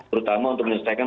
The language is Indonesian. terutama untuk menyelesaikan